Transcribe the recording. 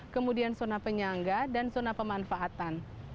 kemudian zona penyangga dan zona pemanfaatan